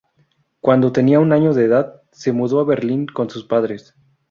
Cuando tenía un año de edad, se mudó a Berlín con sus padres.